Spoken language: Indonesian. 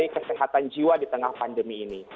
kesehatan jiwa di tengah pandemi ini